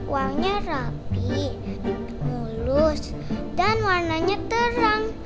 wangnya rapi mulus dan warnanya terang